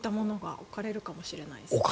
置かれるかもしれない。